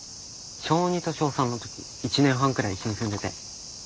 小２と小３の１年半くらい一緒に住んでて。